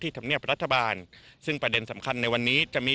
ธรรมเนียบรัฐบาลซึ่งประเด็นสำคัญในวันนี้จะมี